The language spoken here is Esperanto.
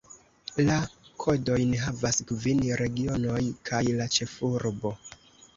La kodojn havas kvin regionoj kaj la ĉefurbo.